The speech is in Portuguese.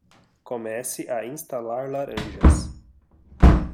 Comece a instalar laranjas